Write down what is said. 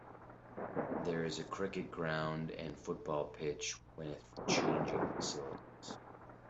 There is a cricket ground and football pitch with changing facilities.